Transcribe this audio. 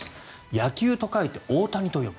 野球と書いて大谷と読む